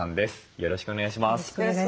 よろしくお願いします。